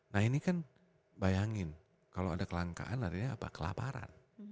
nah ini kan bayangin kalau ada kelangkaan artinya apa kelaparan